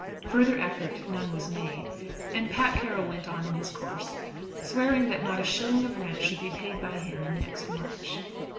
Further effort none was made, and Pat Carroll went on in his course, swearing that not a shilling of rent should be paid by him in next March.